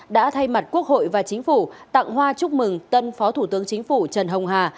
đã thay mặt quốc hội và chính phủ tặng hoa chúc mừng tân phó thủ tướng chính phủ trần hồng hà